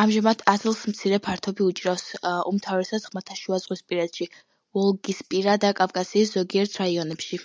ამჟამად ასლს მცირე ფართობი უჭირავს უმთავრესად ხმელთაშუაზღვისპირეთში, ვოლგისპირა და კავკასიის ზოგიერთ რაიონებში.